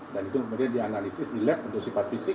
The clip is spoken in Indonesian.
dan itu kemudian dianalisis di lab untuk sifat fisik